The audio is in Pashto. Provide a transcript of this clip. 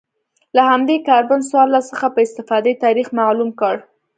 له همدې کاربن څوارلس څخه په استفادې تاریخ معلوم کړي